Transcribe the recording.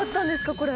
これ。